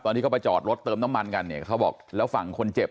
ที่เขาไปจอดรถเติมน้ำมันกันเนี่ยเขาบอกแล้วฝั่งคนเจ็บ